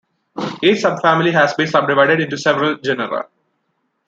Each subfamily has been subdivided into several genera.